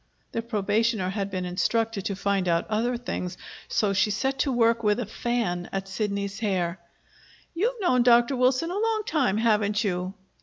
The probationer had been instructed to find out other things; so she set to work with a fan at Sidney's hair. "You've known Dr. Wilson a long time, haven't you?"